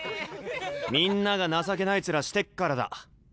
みんなが情けない面してっからだ。